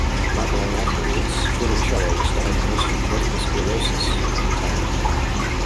Not long afterwards, Funicello was diagnosed with multiple sclerosis and retired.